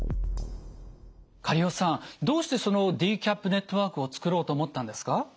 苅尾さんどうしてそのＤＣＡＰネットワークを作ろうと思ったんですか？